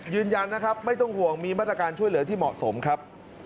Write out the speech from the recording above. ยืนยันนะครับไม่ต้องห่วงมีมาตรการช่วยเหลือที่เหมาะสมครับ